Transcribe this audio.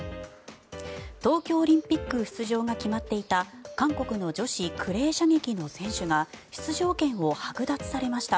東京オリンピック出場が決まっていた韓国の女子クレー射撃の選手が出場権をはく奪されました。